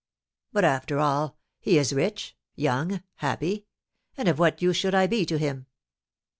But, after all, he is rich, young, happy; and of what use should I be to him?